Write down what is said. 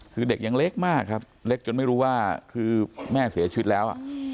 คือเด็กยังเล็กมากครับเล็กจนไม่รู้ว่าคือแม่เสียชีวิตแล้ว